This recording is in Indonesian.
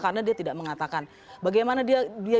karena dia tidak mengatakan bagaimana dia